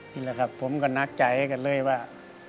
นี่แหละครับผมก็หนักใจกันเลยว่า